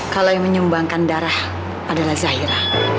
kalau yang menyumbangkan darah adalah zahira